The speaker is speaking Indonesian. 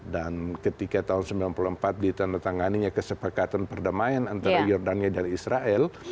dan ketika tahun seribu sembilan ratus sembilan puluh empat ditandatanganinya kesepakatan perdamaian antara yordania dan israel